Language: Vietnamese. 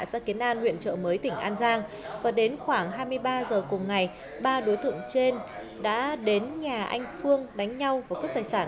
xã kiến an huyện trợ mới tỉnh an giang và đến khoảng hai mươi ba h cùng ngày ba đối tượng trên đã đến nhà anh phương đánh nhau và cướp tài sản